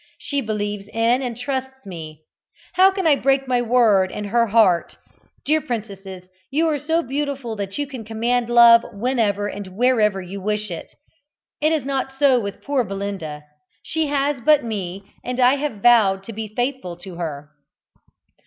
She believes in and trusts me. How can I break my word and her heart? Dear princesses, you are so beautiful that you can command love whenever and wherever you wish it. It is not so with poor Belinda. She has but me, and I have vowed to be faithful to her!"